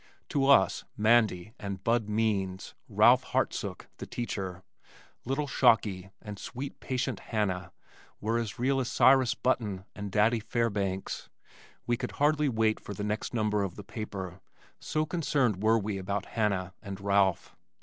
To us "Mandy" and "Bud Means," "Ralph Hartsook," the teacher, "Little Shocky" and sweet patient "Hannah," were as real as Cyrus Button and Daddy Fairbanks. We could hardly wait for the next number of the paper, so concerned were we about "Hannah" and "Ralph."